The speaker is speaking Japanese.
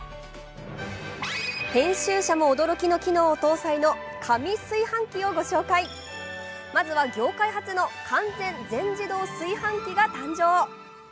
編集者も驚きの機能を搭載の神炊飯器をご紹介まずは業界初の完全全自動炊飯器が誕生。